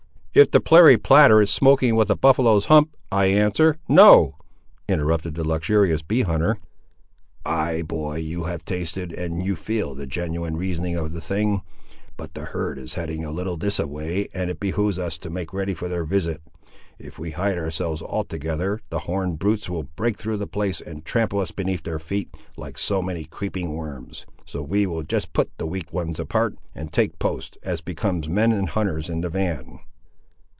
"If the prairie platter is smoking with a buffaloe's hump, I answer, No," interrupted the luxurious bee hunter. "Ay, boy, you have tasted, and you feel the genuine reasoning of the thing! But the herd is heading a little this a way, and it behoves us to make ready for their visit. If we hide ourselves, altogether, the horned brutes will break through the place and trample us beneath their feet, like so many creeping worms; so we will just put the weak ones apart, and take post, as becomes men and hunters, in the van."